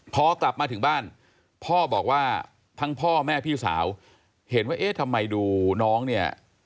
พอกลับมาถึงบ้านพ่อบอกว่าทั้งพ่อแม่พี่สาวเห็นว่าเอ๊ะทำไมดูน้องเนี่ย